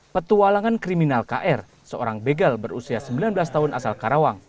petualangan kriminal kr seorang begal berusia sembilan belas tahun asal karawang